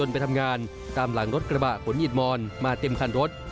ไปทำงานตามหลังรถกระบะขนอิดมอนมาเต็มคันรถ